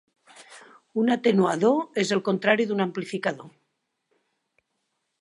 Un atenuador és el contrari d'un amplificador.